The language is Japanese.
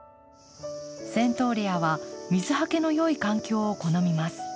セントーレアは水はけのよい環境を好みます。